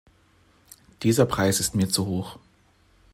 Dieser Preis ist mir zu hoch.